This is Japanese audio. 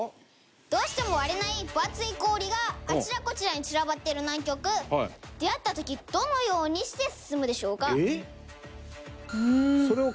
どうしても割れない分厚い氷があちらこちらに散らばっている南極出合った時どのようにして進むでしょうか？